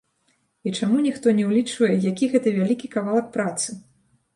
І чаму ніхто не ўлічвае, які гэта вялікі кавалак працы?